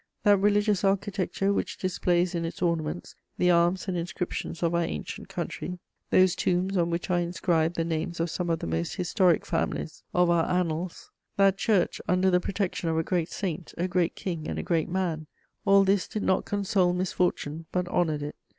That religious architecture which displays in its ornaments the arms and inscriptions of our ancient country; those tombs on which are inscribed the names of some of the most historic families of our annals; that church, under the protection of a great saint, a great king and a great man: all this did not console misfortune, but honoured it.